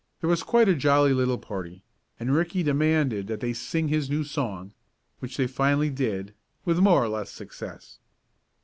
There was quite a jolly little party, and Ricky demanded that they sing his new song, which they finally did, with more or less success.